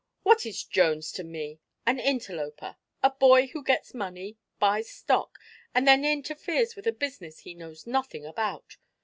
What is Jones to me? An interloper! A boy who gets money, buys stock, and then interferes with a business he knows nothing about.